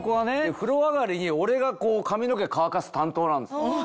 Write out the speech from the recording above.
風呂上がりに俺がこう髪の毛乾かす担当なんですよ。